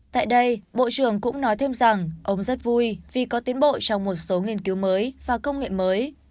tại đây bộ trưởng cũng nói thêm rằng ông rất vui vì có tiến bộ trong một số nghiên cứu mới và công nghệ mới